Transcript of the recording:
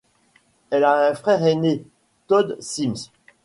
Elle a un frère aîné, Todd Sims.